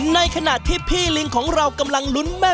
ในขณะที่พี่ลิงของเรากำลังลุ้นแม่